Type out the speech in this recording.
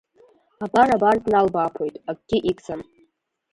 Абар-абар дналбааԥоит, акгьы игӡам.